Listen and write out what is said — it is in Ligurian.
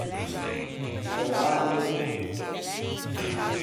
Allevâse i vestî.